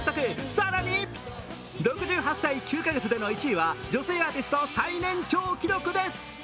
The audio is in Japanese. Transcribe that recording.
更に６８歳９か月での１位は女性アーティスト最年長記録です。